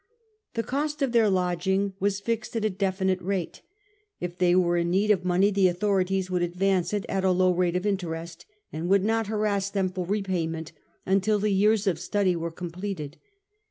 The cost of their lodging was fixed at a definite rate. If they were ii6 STUPOR MUNDI in need of money the authorities would advance it at a low rate of interest and would not harass them for repayment until the years of study were completed.